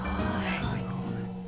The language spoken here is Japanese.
すごい。